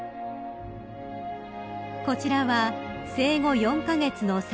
［こちらは生後４カ月の清子さん］